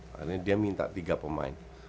karena dia minta tiga pemain